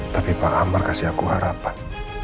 tapi pak ambar kasih aku harapan